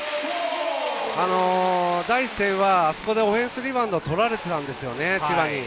第１戦はオフェンスリバウンドを取られてたんですよね、千葉に。